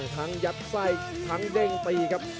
ยัดไส้ทั้งเด้งตีครับ